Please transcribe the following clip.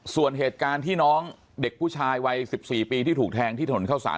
ส่วนเหตุการณ์ที่น้องเด็กผู้ชายวัย๑๔ปีที่ถูกแทงที่ถนนเข้าสาร